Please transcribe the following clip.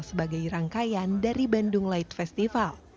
sebagai rangkaian dari bandung light festival